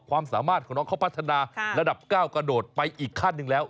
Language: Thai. ความสามารถของน้องเขาพัฒนาระดับก้าวกระโดดไปอีกขั้นหนึ่งแล้ว